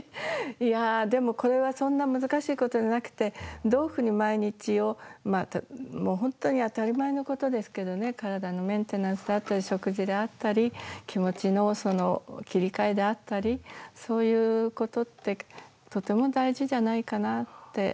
でもこれはそんな難しいことじゃなくて、どういうふうに毎日を、本当に当たり前のことですけどね、体のメンテナンスであったり、食事であったり、気持ちの切り替えであったり、そういうことって、とても大事じゃないかなって。